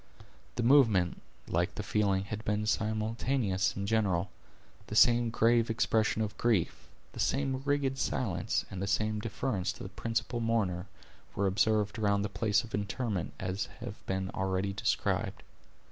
The movement, like the feeling, had been simultaneous and general. The same grave expression of grief, the same rigid silence, and the same deference to the principal mourner, were observed around the place of interment as have been already described.